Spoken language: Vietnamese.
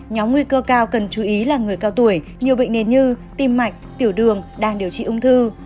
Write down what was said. nhóm nguy cơ cao cần chú ý là người cao tuổi nhiều bệnh nền như tim mạch tiểu đường đang điều trị ung thư